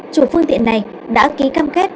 chủ phương tiện này đã ký cam kết